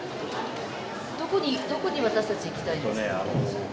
どこにどこに私たち行きたいんでしたっけ？